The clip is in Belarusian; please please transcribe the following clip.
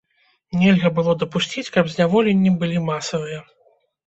Нельга было дапусціць, каб зняволенні былі масавыя.